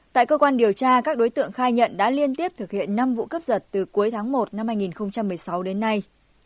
tại cơ quan điều tra các đối tượng khai nhận đã liên tiếp thực hiện năm vụ cướp giật từ cuối tháng một năm hai nghìn một mươi sáu đến nay